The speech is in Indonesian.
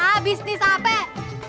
nah bisnis apa ya